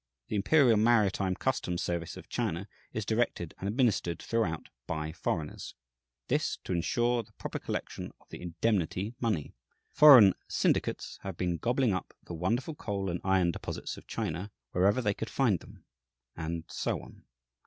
The Imperial Maritime Customs Service of China is directed and administered throughout by foreigners; this, to insure the proper collection of the "indemnity" money. Foreign "syndicates" have been gobbling up the wonderful coal and iron deposits of China wherever they could find them. And so on.